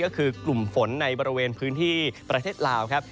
ก็คือกลุ่มฝนในบริเวณพื้นที่ประเทศลาวครับ